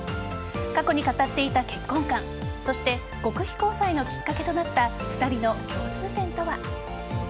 過去に語っていた結婚観そして極秘交際のきっかけとなった２人の共通点とは。